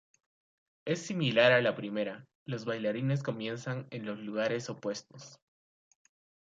Es similar a la primera, los bailarines comienzan en los lugares opuestos.